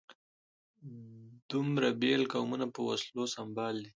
دومره بېل قومونه په وسلو سمبال دي.